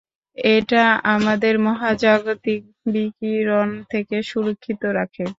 এটা আমাদের মহাজাগতিক বিকিরণ থেকে সুরক্ষিত রাখে।